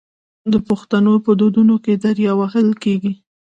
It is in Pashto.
د پښتنو په ودونو کې دریا وهل کیږي.